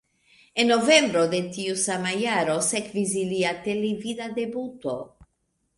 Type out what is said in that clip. En novembro de tiu sama jaro sekvis ilia televida debuto.